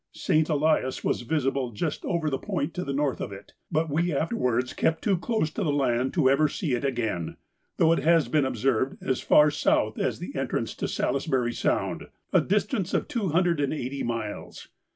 St. Elias was visible just over the point to the north of it, but we afterwards kept too close to the land to ever see it again, though it has been observed as far south as the entrance to Salisbury Sound, a distance of two hundred and eighty miles.